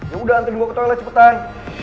yaudah anterin gue ke toilet cepetan